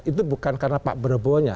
itu bukan karena pak berobohnya